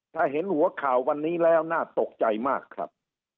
ถ้าเห็นหัวข่าววันนี้แล้วน่าตกใจมากครับ